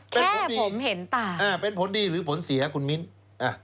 เป็นผลดีผมเห็นต่างอ่าเป็นผลดีหรือผลเสียคุณมิ้นอ่ะ